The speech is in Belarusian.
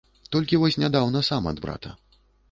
Толькі вось нядаўна сам ад брата.